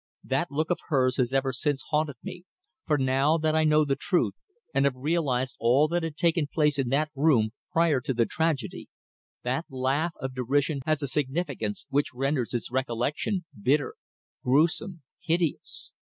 That look of hers has ever since haunted me, for now that I know the truth and have realised all that had taken place in that room prior to the tragedy, that laugh of derision has a significance which renders its recollection bitter, gruesome, hideous.